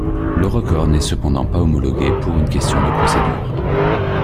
Le record n'est cependant pas homologué pour une question de procédure.